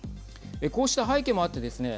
こうした背景もあってですね